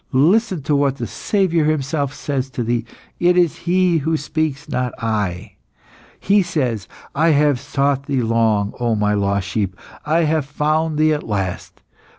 listen to what the Saviour Himself says to thee; it is He who speaks, not I. He says, 'I have sought thee long, O My lost sheep! I have found thee at last!